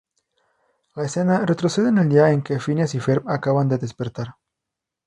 La escena retrocede, en el día en que Phineas y Ferb acaban de despertar.